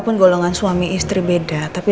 kalo gue dibantuin